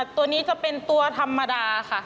ตัวนี้จะเป็นตัวธรรมดาค่ะ